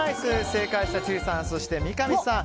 正解した千里さん、三上さん